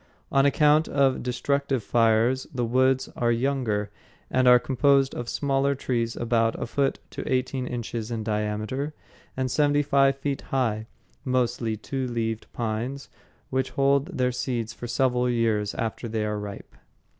On account of destructive fires the woods are younger and are composed of smaller trees about a foot to eighteen inches in diameter and seventy five feet high, mostly two leaved pines which hold their seeds for several years after they are ripe.